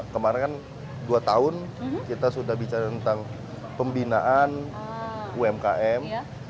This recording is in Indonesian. kemarin kan dua tahun kita sudah bicara tentang pembinaan umkm